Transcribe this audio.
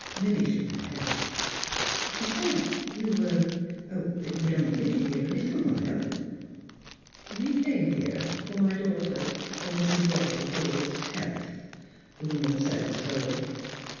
Milly shook her head. *' She said you were — that you had only lived here a little while." " We came here for my daughter's — for Mrs. Walter Hill's health," the woman said, slowly.